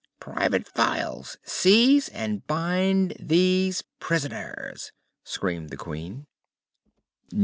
"Private Files, seize and bind these prisoners!" screamed the Queen.